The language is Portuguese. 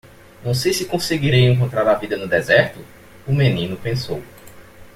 Não sei se conseguirei encontrar a vida no deserto? o menino pensou.